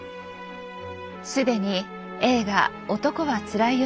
既に映画「男はつらいよ」